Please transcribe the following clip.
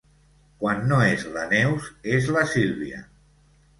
Quan no és la Neus és la Sílvia.